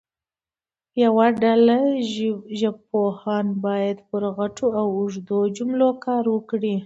یوه ډله ژبپوهان باید پر غټو او اوږدو جملو کار وکړي.